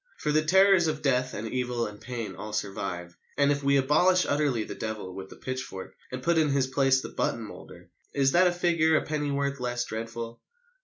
For the terrors of death and evil and pain all survive, and, even if we abolish utterly the Devil with the pitchfork, and put in his place the Button moulder, is that a figure a pennyworth less dreadful?